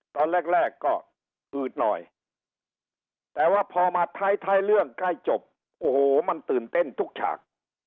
ตอนแรกแรกก็อืดหน่อยแต่ว่าพอมาท้ายเรื่องใกล้จบโอ้โหมันตื่นเต้นทุกฉาก